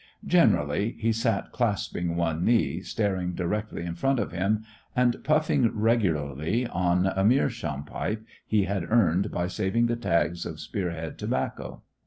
Generally he sat clasping one knee, staring directly in front of him, and puffing regularly on a "meerschaum" pipe he had earned by saving the tags of Spearhead tobacco.